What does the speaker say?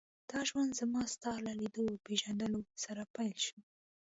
دا ژوند زما ستا له لیدو او پېژندلو سره پیل شو.